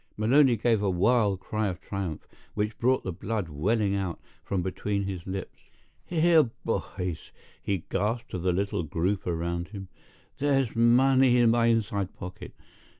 Maloney gave a wild cry of triumph, which brought the blood welling out from between his lips. "Here, boys," he gasped to the little group around him. "There's money in my inside pocket.